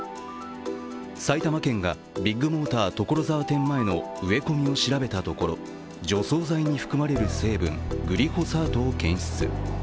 埼玉県がビッグモーター所沢店前の植え込みを調べたところ、除草剤に含まれる成分グリホサートを検出。